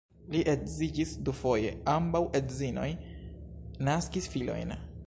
Li edziĝis dufoje, ambaŭ edzinoj naskis filojn.